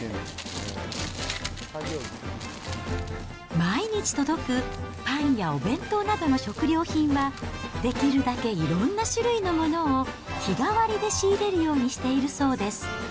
毎日届くパンやお弁当などの食料品は、できるだけいろんな種類のものを日替わりで仕入れるようにしているそうです。